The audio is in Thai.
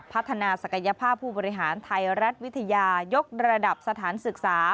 พัฒนาศักยภาพผู้บริหารไทยรัฐวิทยายกระดับสถานศึกษา